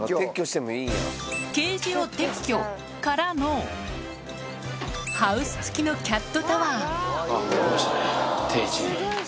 ケージを撤去からの、ハウス付きのキャットタワー。